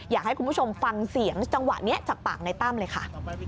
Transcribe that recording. อยากให้คุณผู้ชมฟังเสียงจังหวะนี้จากปากในตั้มเลยค่ะ